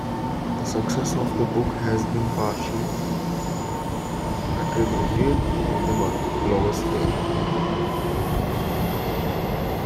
The success of the book has been partly attributed to the blogosphere.